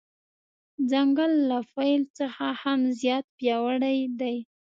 ځنګل له فیل څخه هم زیات پیاوړی دی.